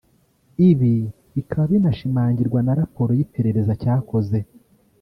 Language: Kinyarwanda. ibi bikaba binashimangirwa na raporo y’iperereza cyakoze